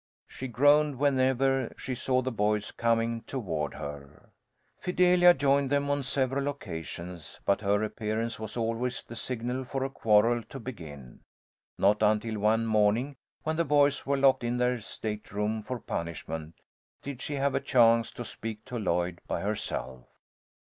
She groaned whenever she saw the boys coming toward her. Fidelia joined them on several occasions, but her appearance was always the signal for a quarrel to begin. Not until one morning when the boys were locked in their stateroom for punishment, did she have a chance to speak to Lloyd by herself.